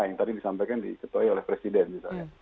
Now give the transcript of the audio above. yang tadi disampaikan diketuai oleh presiden misalnya